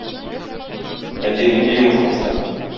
Әти нинди йомыш кушты?